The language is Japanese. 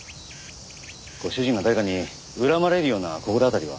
ご主人が誰かに恨まれるような心当たりは？